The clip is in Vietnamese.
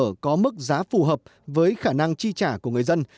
các nhà ở có mức giá phù hợp với khả năng chi trả của người dân